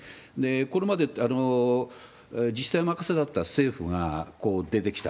これまで自治体任せだった政府が出てきた。